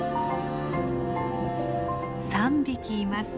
３匹います。